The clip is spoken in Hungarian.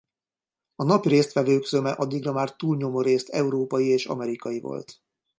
A napi résztvevők zöme addigra már túlnyomórészt európai és amerikai volt.